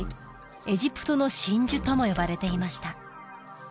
エジプトの真珠とも呼ばれていました